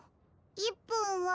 １ぽんは。